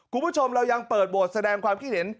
คุณผู้ชมเรายังเปิดโหวตแสดงความคิดเห็น